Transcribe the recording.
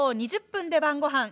２０分で晩ごはん」